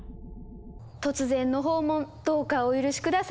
突然の訪問どうかお許し下さい。